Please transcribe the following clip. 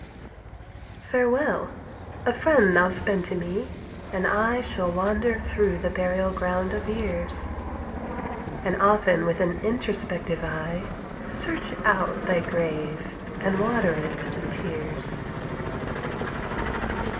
Farewell! A friend thou'st been to me, and I Shall wander through the burial ground of years, And often with an introspective eye Search out thy grave and water it with tears.